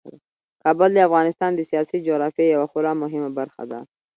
کابل د افغانستان د سیاسي جغرافیې یوه خورا مهمه برخه ده.